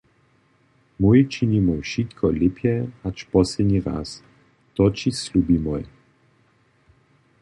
Mój činimoj wšitko lěpje hač posledni raz, to ći slubimoj.